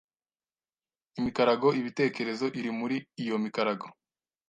imikarago ibitekerezo iri muri iyo mikarago